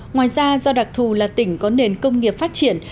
ngoài ra do đặc thù là tỉnh có nền công nghiệp phát triển